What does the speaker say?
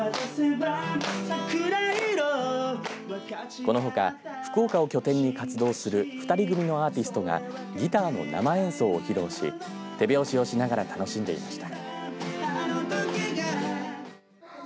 このほか福岡を拠点に活動する２人組のアーティストがギターの生演奏を披露し手拍子をしながら楽しんでいました。